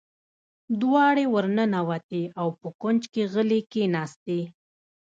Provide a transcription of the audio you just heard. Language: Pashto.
دواړې ور ننوتې او په کونج کې غلې کېناستې.